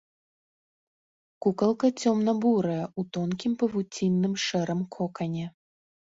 Кукалка цёмна-бурая, у тонкім павуцінным шэрым кокане.